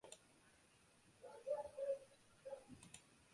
Por timbre una corona mural de villa.